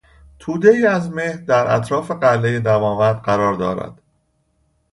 تودهای از مه در اطراف قلهی دماوند قرار دارد.